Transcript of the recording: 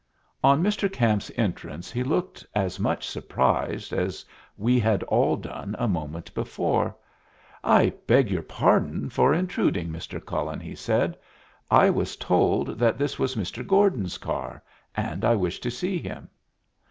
On Mr. Camp's entrance he looked as much surprised as we had all done a moment before. "I beg your pardon for intruding, Mr. Cullen," he said. "I was told that this was Mr. Gordon's car, and I wish to see him."